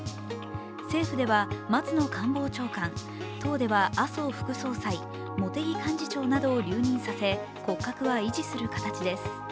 政府では松野官房長官、党では麻生副総理、茂木幹事長などを留任させ、骨格は維持する形です。